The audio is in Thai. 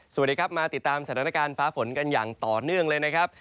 สวัสดีครับมาติดตามสถานการณ์ฟ้าฝนกันอย่างต่อเนื่องเลยนะครับ